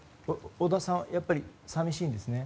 織田さんはやっぱり寂しいんですね。